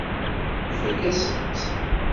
Ifakk-asent-tt.